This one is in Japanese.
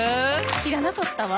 知らなかったわ。